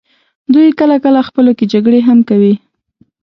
دوی کله کله خپلو کې جګړې هم کوي.